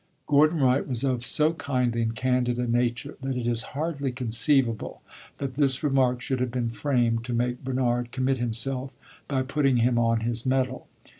Gordon Wright was of so kindly and candid a nature that it is hardly conceivable that this remark should have been framed to make Bernard commit himself by putting him on his mettle.